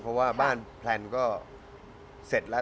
เพราะว่าบ้านแพลนก็เสร็จแล้ว